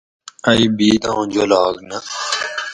ائی بِیداں جولاگ نہ